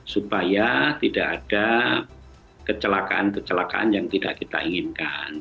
supaya tidak ada kecelakaan kecelakaan yang tidak kita inginkan